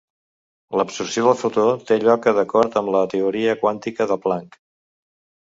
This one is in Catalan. L'absorció del fotó te lloca d'acord amb la teoria quàntica de Planck.